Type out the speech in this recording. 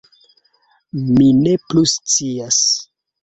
- Mi ne plu scias